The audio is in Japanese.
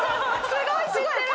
すごい知ってる！